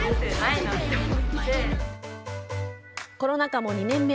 コロナ禍も２年目。